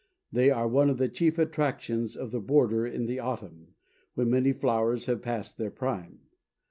They are one of the chief attractions of the border in the autumn, when many flowers have passed their prime.